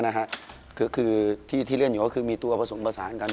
ที่เรื่องหนึ่งก็คือมีตัวผสมผสาน